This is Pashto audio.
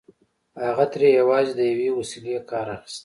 هغه ترې يوازې د يوې وسيلې کار اخيست.